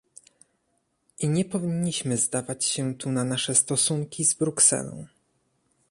I nie powinniśmy zdawać się tu na nasze stosunki z Brukselą!